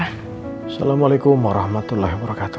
assalamualaikum warahmatullahi wabarakatuh